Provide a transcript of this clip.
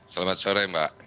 selamat sore mbak